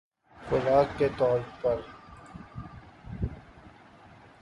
خوراک کے طور پر